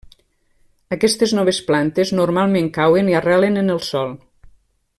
Aquestes noves plantes normalment cauen i arrelen en el sòl.